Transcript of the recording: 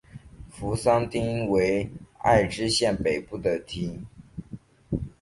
扶桑町为爱知县北部的町。